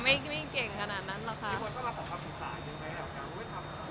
ไม่เก่งขนาดนั้นหรอค่ะ